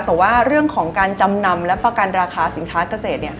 แต่ว่าเรื่องของการจำนำและประกันราคาสินค้าเกษตร